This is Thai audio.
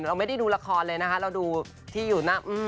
เราไม่ได้ดูละครเลยนะคะเราดูที่อยู่หน้า